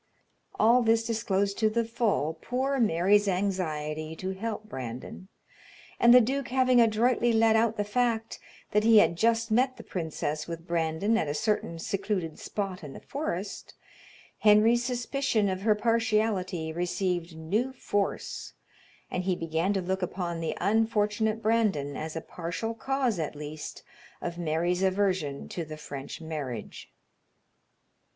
All this disclosed to the full poor Mary's anxiety to help Brandon, and the duke having adroitly let out the fact that he had just met the princess with Brandon at a certain secluded spot in the forest, Henry's suspicion of her partiality received new force, and he began to look upon the unfortunate Brandon as a partial cause, at least, of Mary's aversion to the French marriage.